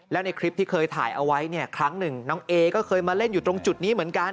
แล้วในคลิปที่เคยถ่ายเอาไว้เนี่ยครั้งหนึ่งน้องเอก็เคยมาเล่นอยู่ตรงจุดนี้เหมือนกัน